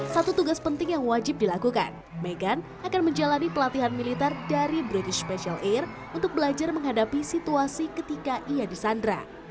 satu tugas penting yang wajib dilakukan meghan akan menjalani pelatihan militer dari british special air untuk belajar menghadapi situasi ketika ia disandra